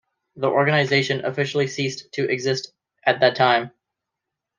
The organization officially ceased to exist at that time.